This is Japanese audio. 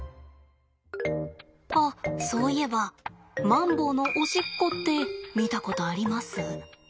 あそういえばマンボウのおしっこって見たことあります？